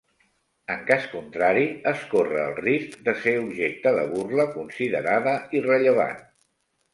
En cas contrari, es corre el risc de ser objecte de burla considerada irrellevant.